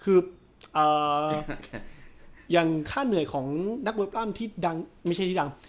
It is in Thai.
คืออย่างค่าเหนื่อยของนักมวยปล้ำที่ดังไม่ใช่ที่ดัง